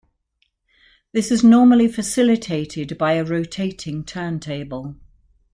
This is normally facilitated by a rotating turntable.